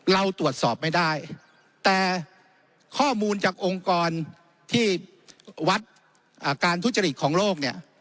เราตรวจสอบไม่ได้แต่ข้อมูลจากองค์กรที่วัดการทุจริตของโลกเนี่ย